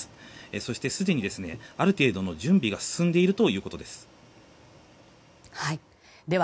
そしてすでにある程度の準備が進んでいるということです。